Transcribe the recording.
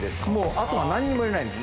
あとは何にも入れないんです。